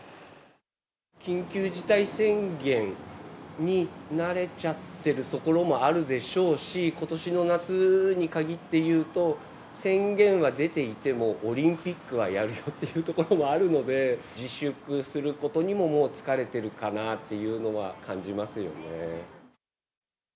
緊急事態宣言に慣れちゃってるところもあるでしょうし、ことしの夏に限っていうと宣言は出ていてもオリンピックはやるよっていうところもあるので、自粛することにももう疲れてるかなというのは感じますよね。